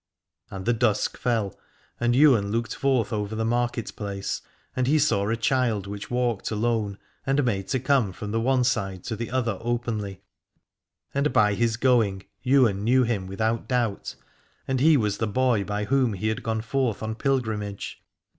And the dusk fell, and Ywain looked forth over the market place, and he saw a child which walked alone and made to come from the one side to the other openly. And by 351 Aladore his going Ywain knew him without doubt, and he was the boy by whom he had gone forth on pilgrimage.